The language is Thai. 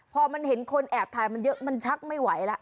พอมันเห็นคนแอบถ่ายมันเยอะมันชักไม่ไหวแล้ว